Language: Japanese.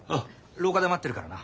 廊下で待ってるからな。